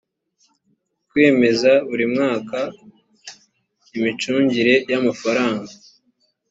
kwemeza buri mwaka imicungire y amafaranga